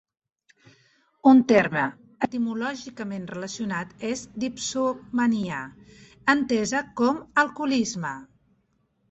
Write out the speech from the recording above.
Un terme etimològicament relacionat és dipsomania, entesa com a alcoholisme.